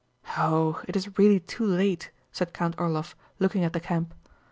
"Oh, it is really too late," said Count Orlóv, looking at the camp.